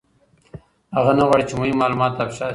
هغه نه غواړي چي مهم معلومات افشا سي.